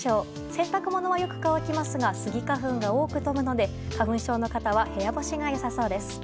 洗濯物はよく乾きますがスギ花粉が多く飛ぶので花粉症の方は部屋干しが良さそうです。